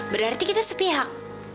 berarti kita sepihak